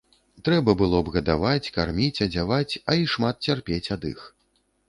Трэба было б гадаваць, карміць, адзяваць, а і шмат цярпець ад іх.